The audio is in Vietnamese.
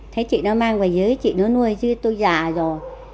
thế chị nó mang về dưới chị nó nuôi chứ tôi già rồi